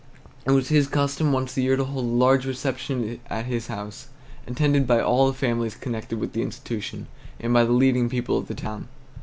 It was his custom once a year to hold a large reception at his house, attended by all the families connected with the institution and by the leading people of the town.